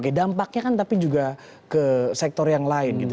oke dampaknya kan tapi juga ke sektor yang lain gitu